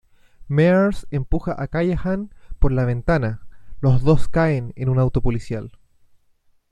Mears empuja a Callahan por la ventana; los dos caen en un auto policial.